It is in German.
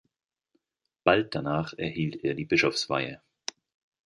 Bald danach erhielt er die Bischofsweihe.